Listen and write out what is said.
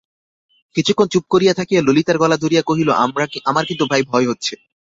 কিছুক্ষণ চুপ করিয়া থাকিয়া ললিতার গলা ধরিয়া কহিল, আমার কিন্তু ভাই ভয় হচ্ছে।